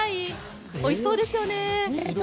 おいしそうですよね。